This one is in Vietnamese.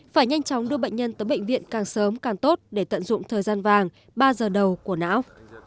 phải nhanh chóng đưa bệnh nhân tới bệnh viện càng sớm càng tốt để tận dụng thời gian vàng ba giờ đầu của não